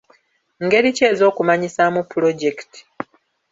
Ngeri ki ez'okumanyisaamu pulojekiti?